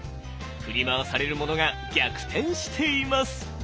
振り回されるものが逆転しています。